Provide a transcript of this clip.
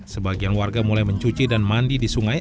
sebagian warga mulai mencuci dan mandi di sungai